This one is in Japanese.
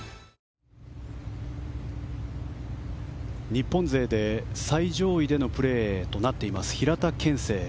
日本勢で最上位でのプレーとなっています平田憲聖。